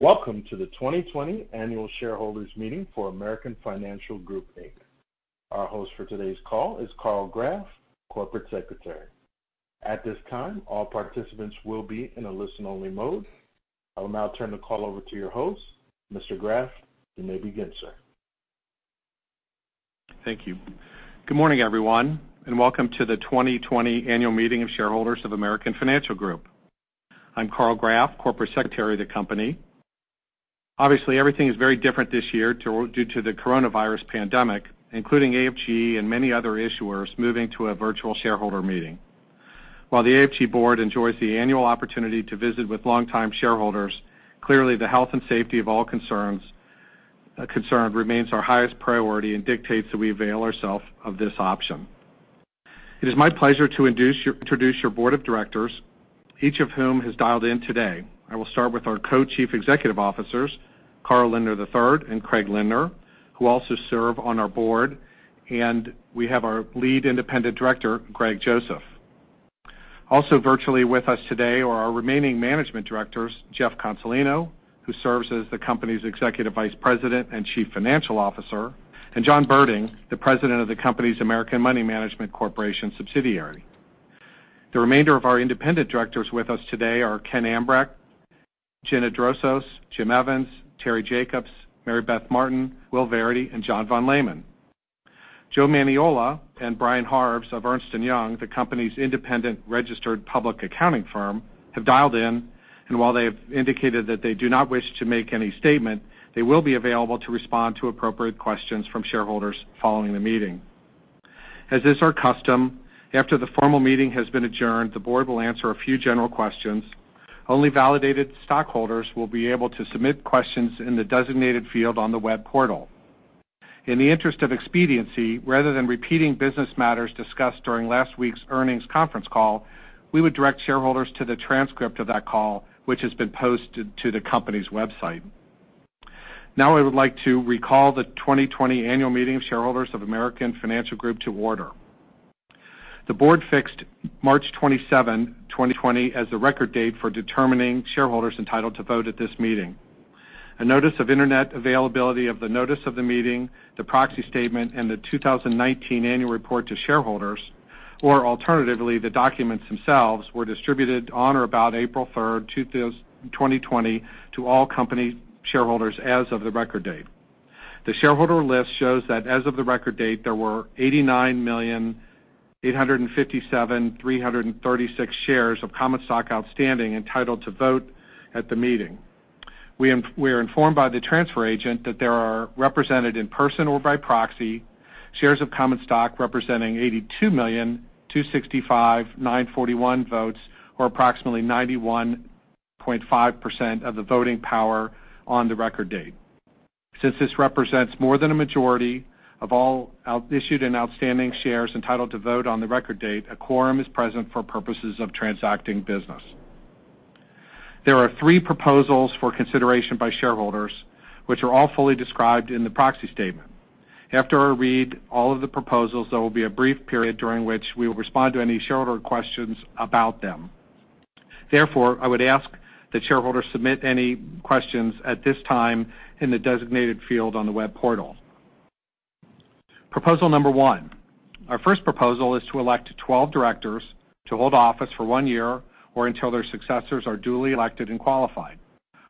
Welcome to the 2020 Annual Shareholders Meeting for American Financial Group, Inc. Our host for today's call is Karl Grafe, Corporate Secretary. At this time, all participants will be in a listen-only mode. I will now turn the call over to your host. Mr. Grafe, you may begin, sir. Thank you. Good morning, everyone, and welcome to the 2020 annual meeting of shareholders of American Financial Group. I'm Karl Grafe, Corporate Secretary of the company. Obviously, everything is very different this year due to the coronavirus pandemic, including AFG and many other issuers moving to a virtual shareholder meeting. While the AFG board enjoys the annual opportunity to visit with long-time shareholders, clearly the health and safety of all concerned remains our highest priority and dictates that we avail ourselves of this option. It is my pleasure to introduce your Board of Directors, each of whom has dialed in today. I will start with our Co-Chief Executive Officers, Carl Lindner III and Craig Lindner, who also serve on our board, and we have our Lead Independent Director, Greg Joseph. Also virtually with us today are our remaining management directors, Jeff Consolino, who serves as the company's Executive Vice President and Chief Financial Officer, and John Berding, the President of the company's American Money Management Corporation subsidiary. The remainder of our independent directors with us today are Ken Ambrecht, Virginia Drosos, Jim Evans, Terry Jacobs, Mary Beth Martin, Will Verity, and John Von Lehman. Joe Maniola and Brian Hertzman of Ernst & Young, the company's independent registered public accounting firm, have dialed in, and while they have indicated that they do not wish to make any statement, they will be available to respond to appropriate questions from shareholders following the meeting. As is our custom, after the formal meeting has been adjourned, the board will answer a few general questions. Only validated stockholders will be able to submit questions in the designated field on the web portal. In the interest of expediency, rather than repeating business matters discussed during last week's earnings conference call, we would direct shareholders to the transcript of that call, which has been posted to the company's website. I would like to recall the 2020 annual meeting of shareholders of American Financial Group to order. The board fixed March 27, 2020, as the record date for determining shareholders entitled to vote at this meeting. A notice of internet availability of the notice of the meeting, the proxy statement, and the 2019 annual report to shareholders, or alternatively, the documents themselves, were distributed on or about April 3rd, 2020, to all company shareholders as of the record date. The shareholder list shows that as of the record date, there were 89,857,336 shares of common stock outstanding entitled to vote at the meeting. We are informed by the transfer agent that there are represented in person or by proxy shares of common stock representing 82,265,941 votes, or approximately 91.5% of the voting power on the record date. Since this represents more than a majority of all issued and outstanding shares entitled to vote on the record date, a quorum is present for purposes of transacting business. There are three proposals for consideration by shareholders, which are all fully described in the proxy statement. After I read all of the proposals, there will be a brief period during which we will respond to any shareholder questions about them. Therefore, I would ask that shareholders submit any questions at this time in the designated field on the web portal. Proposal number one. Our first proposal is to elect 12 directors to hold office for one year or until their successors are duly elected and qualified.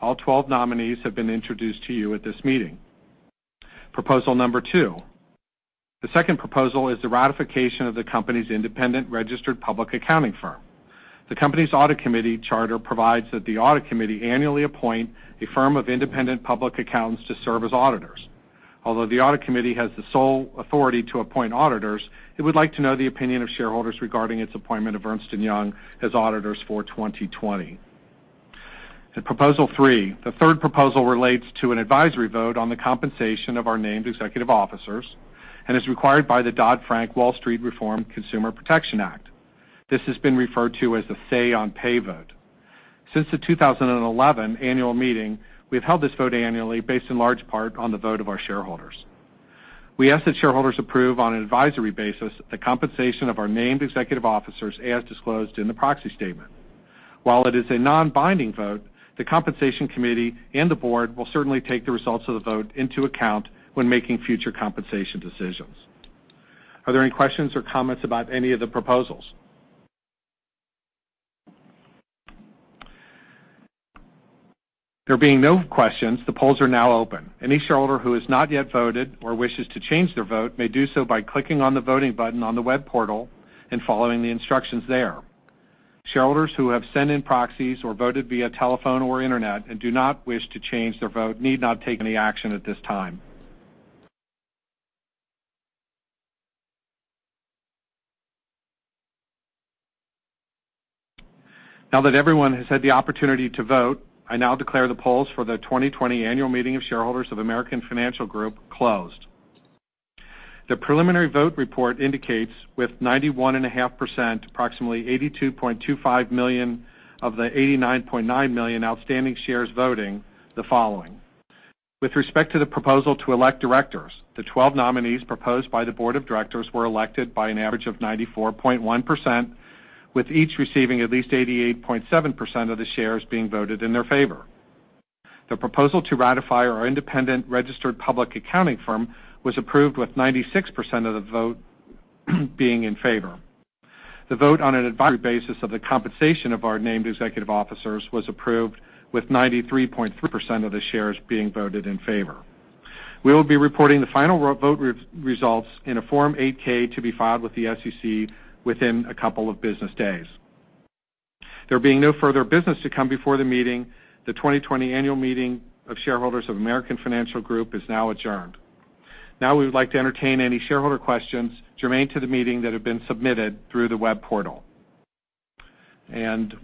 All 12 nominees have been introduced to you at this meeting. Proposal number two. The second proposal is the ratification of the company's independent registered public accounting firm. The company's audit committee charter provides that the audit committee annually appoint a firm of independent public accountants to serve as auditors. Although the audit committee has the sole authority to appoint auditors, it would like to know the opinion of shareholders regarding its appointment of Ernst & Young as auditors for 2020. Proposal three. The third proposal relates to an advisory vote on the compensation of our named executive officers and is required by the Dodd-Frank Wall Street Reform Consumer Protection Act. This has been referred to as the Say-on-Pay vote. Since the 2011 annual meeting, we've held this vote annually based in large part on the vote of our shareholders. We ask that shareholders approve on an advisory basis the compensation of our named executive officers as disclosed in the proxy statement. While it is a non-binding vote, the compensation committee and the board will certainly take the results of the vote into account when making future compensation decisions. Are there any questions or comments about any of the proposals? There being no questions, the polls are now open. Any shareholder who has not yet voted or wishes to change their vote may do so by clicking on the voting button on the web portal and following the instructions there. Shareholders who have sent in proxies or voted via telephone or internet and do not wish to change their vote need not take any action at this time. Now that everyone has had the opportunity to vote, I now declare the polls for the 2020 annual meeting of shareholders of American Financial Group closed. The preliminary vote report indicates, with 91.5%, approximately 82.25 million of the 89.9 million outstanding shares voting the following. With respect to the proposal to elect directors, the 12 nominees proposed by the board of directors were elected by an average of 94.1%, with each receiving at least 88.7% of the shares being voted in their favor. The proposal to ratify our independent registered public accounting firm was approved with 96% of the vote being in favor. The vote on an advisory basis of the compensation of our named executive officers was approved with 93.3% of the shares being voted in favor. We will be reporting the final vote results in a Form 8-K to be filed with the SEC within a couple of business days. There being no further business to come before the meeting, the 2020 annual meeting of shareholders of American Financial Group is now adjourned. We would like to entertain any shareholder questions germane to the meeting that have been submitted through the web portal. The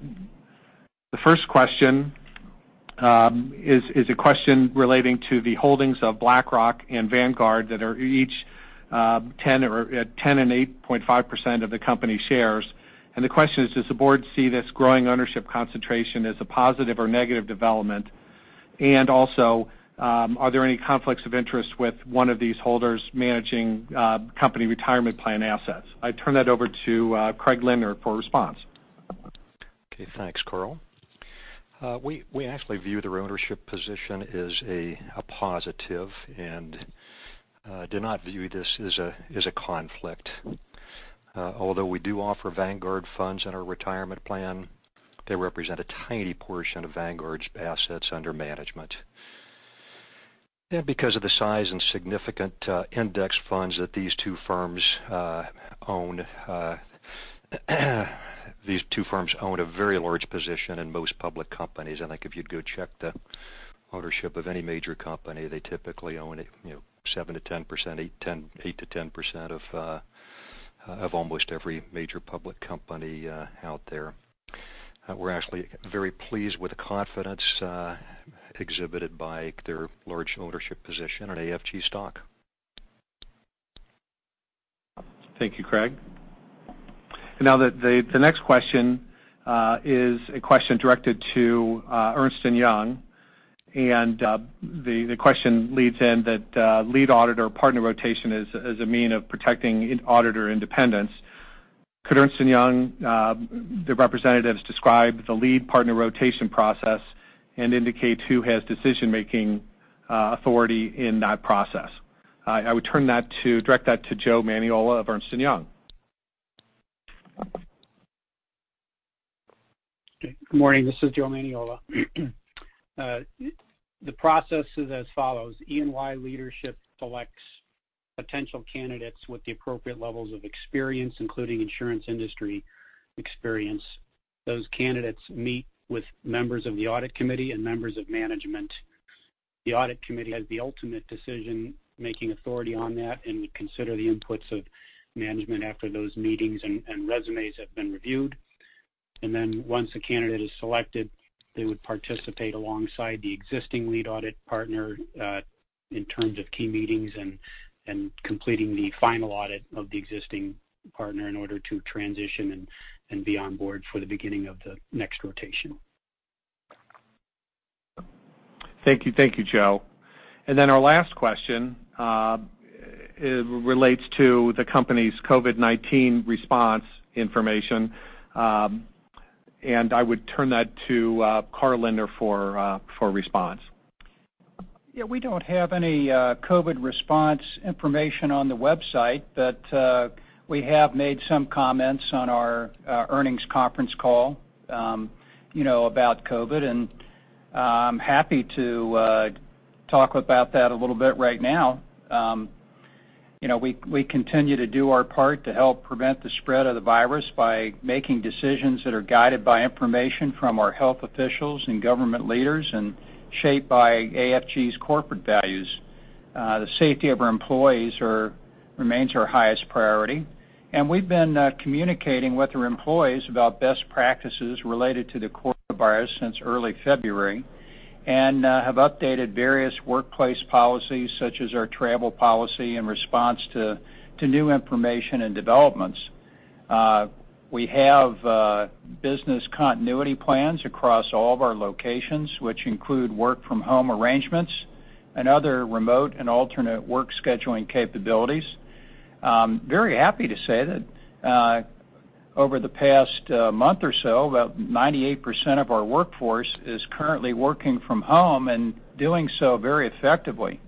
first question is a question relating to the holdings of BlackRock and Vanguard that are each 10% and 8.5% of the company's shares. The question is: Does the board see this growing ownership concentration as a positive or negative development? Also, are there any conflicts of interest with one of these holders managing company retirement plan assets? I turn that over to Craig Lindner for a response. Okay, thanks, Karl. We actually view their ownership position as a positive and do not view this as a conflict. Although we do offer Vanguard funds in our retirement plan, they represent a tiny portion of Vanguard's assets under management. Because of the size and significant index funds that these two firms own, these two firms own a very large position in most public companies. I think if you'd go check the ownership of any major company, they typically own 7%-10%, 8%-10% of almost every major public company out there. We're actually very pleased with the confidence exhibited by their large ownership position in AFG stock. Thank you, Craig. The next question is a question directed to Ernst & Young, the question leads in that lead auditor partner rotation is a means of protecting auditor independence. Could Ernst & Young, the representatives, describe the lead partner rotation process and indicate who has decision-making authority in that process? I would direct that to Joe Maniola of Ernst & Young. Okay. Good morning. This is Joe Maniola. The process is as follows. EY leadership selects potential candidates with the appropriate levels of experience, including insurance industry experience. Those candidates meet with members of the audit committee and members of management. The audit committee has the ultimate decision-making authority on that and would consider the inputs of management after those meetings and resumes have been reviewed. Then once a candidate is selected, they would participate alongside the existing lead audit partner, in terms of key meetings and completing the final audit of the existing partner in order to transition and be on board for the beginning of the next rotation. Thank you. Thank you, Joe. Our last question relates to the company's COVID-19 response information. I would turn that to Carl Lindner for a response. Yeah, we don't have any COVID response information on the website, we have made some comments on our earnings conference call about COVID, I'm happy to talk about that a little bit right now. We continue to do our part to help prevent the spread of the virus by making decisions that are guided by information from our health officials and government leaders and shaped by AFG's corporate values. The safety of our employees remains our highest priority. We've been communicating with our employees about best practices related to the coronavirus since early February and have updated various workplace policies such as our travel policy in response to new information and developments. We have business continuity plans across all of our locations, which include work-from-home arrangements and other remote and alternate work scheduling capabilities. Very happy to say that over the past month or so, about 98% of our workforce is currently working from home and doing so very effectively.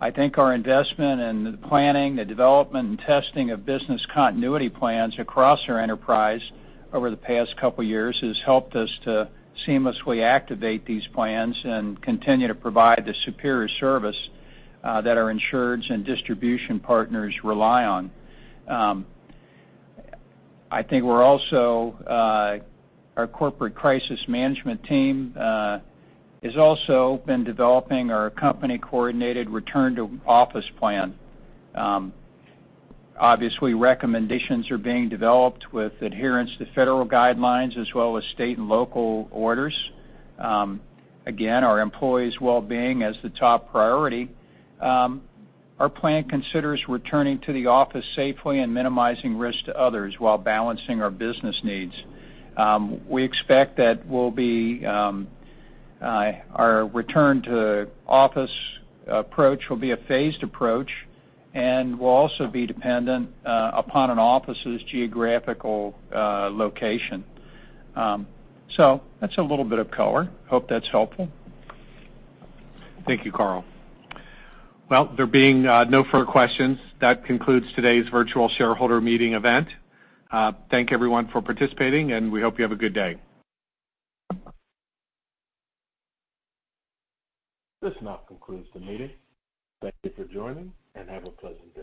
I think our investment in the planning, the development, and testing of business continuity plans across our enterprise over the past couple of years has helped us to seamlessly activate these plans and continue to provide the superior service that our insureds and distribution partners rely on. Our corporate crisis management team has also been developing our company-coordinated return-to-office plan. Obviously, recommendations are being developed with adherence to federal guidelines as well as state and local orders. Again, our employees' well-being as the top priority. Our plan considers returning to the office safely and minimizing risk to others while balancing our business needs. We expect that our return-to-office approach will be a phased approach and will also be dependent upon an office's geographical location. That's a little bit of color. Hope that's helpful. Thank you, Carl. There being no further questions, that concludes today's virtual shareholder meeting event. Thank everyone for participating, and we hope you have a good day. This now concludes the meeting. Thank you for joining, and have a pleasant day.